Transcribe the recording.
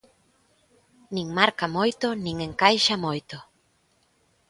Nin marca moito nin encaixa moito.